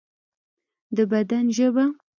د بدن ژبه